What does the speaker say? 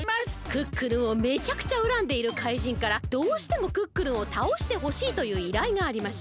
クックルンをめちゃくちゃうらんでいる怪人からどうしてもクックルンをたおしてほしいといういらいがありました。